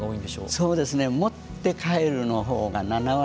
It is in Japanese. そうですか。